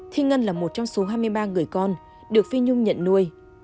thi ngân là một trong số hai mươi ba người con được phi nhung nhận nuôi